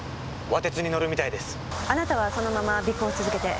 あなたはそのまま尾行を続けて。